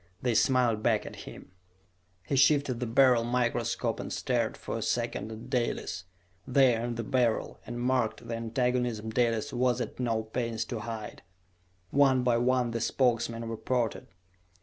They smiled back at him. He shifted the Beryl microscope and stared for a second at Dalis, there in the Beryl, and marked the antagonism Dalis was at no pains to hide. One by one the Spokesmen reported.